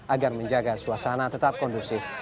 agar menjaga suasana tetap kondusif